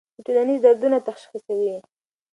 دوی ټولنیز دردونه تشخیصوي.